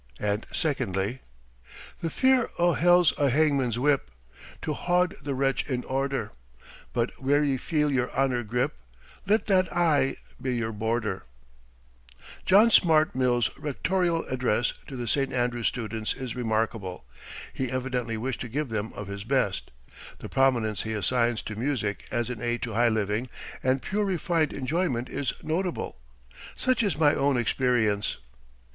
And secondly: "The fear o' hell's a hangman's whip To haud the wretch in order; But where ye feel your honor grip, Let that aye be your border." John Stuart Mill's rectorial address to the St. Andrews students is remarkable. He evidently wished to give them of his best. The prominence he assigns to music as an aid to high living and pure refined enjoyment is notable. Such is my own experience.